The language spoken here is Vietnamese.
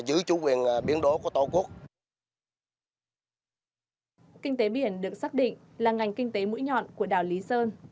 kinh tế biển được xác định là ngành kinh tế mũi nhọn của đảo lý sơn